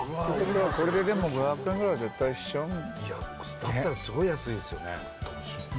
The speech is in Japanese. これででも５００円ぐらい絶対しちゃうだったらすごい安いですよね